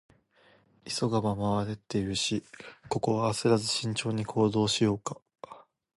「急がば回れ」って言うし、ここは焦らず慎重に行動しようか。